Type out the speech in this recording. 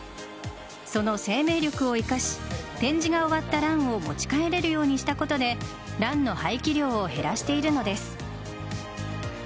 その生命力を生かし展示が終わったランを持ち帰れるようにしたことでランの廃棄量を減らしているのです。